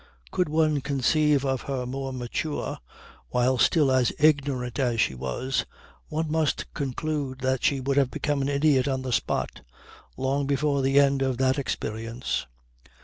Could one conceive of her more mature, while still as ignorant as she was, one must conclude that she would have become an idiot on the spot long before the end of that experience.